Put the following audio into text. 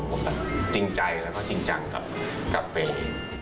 ผมจริงใจและจริงจังกับเฟย์